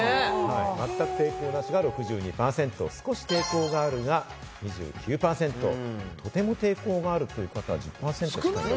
全く抵抗なしが６２％、少し抵抗があるが２９％、とても抵抗がある方が１０％。